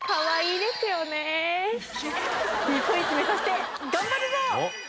日本一目指して頑張るぞ！